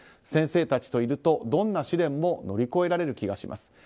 線世知たちといるとどんな試練も乗り越えられる気がします。